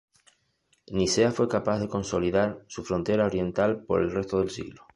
Nicea fue capaz de consolidar su frontera oriental por el resto del siglo.